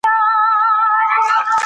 مونږ ښار ته کله ځو؟